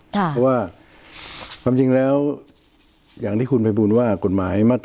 เพราะว่าความจริงแล้วอย่างที่คุณภัยบูลว่ากฎหมายมาตร